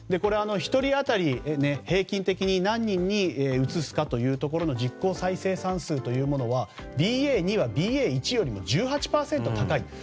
１人当たり平均的に何人にうつすかという実効再生産数というものはＢＡ．２はＢＡ．１よりも１８％高い。